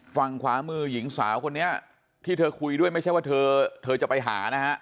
ฝั่งขวามือหญิงสาวคนนี้ที่เธอคุยด้วยไม่ใช่ว่าเธอเธอจะไปหานะฮะ